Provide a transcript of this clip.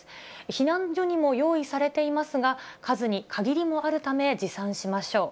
避難所にも用意されていますが、数に限りもあるため持参しましょう。